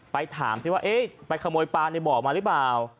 ไปถามสิว่าไปขโมยปลาในบ่อมาหรือเปล่า